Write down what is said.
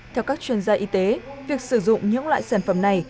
theo các chuyên gia y tế việc sử dụng những loại sản phẩm này